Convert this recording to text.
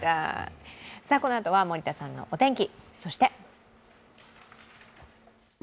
このあとは森田さんのお天気。